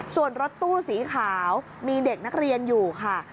ส่วนรถตู้สีขาวมีเด็กนักเรียนอยู่ค่ะ